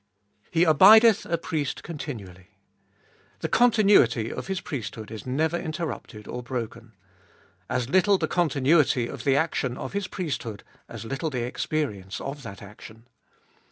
He abideth a Priest continually. The continuity of His priesthood is never interrupted or broken ; as little the continuity of the action of His priesthood ; as little the experience of that action.